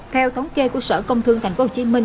theo thống kê của sở công thương tp hcm